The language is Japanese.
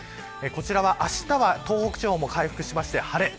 こちらは明日は東北地方も回復しまして、晴れ。